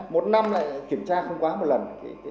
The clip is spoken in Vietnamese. một năm lại kiểm tra không quá một lần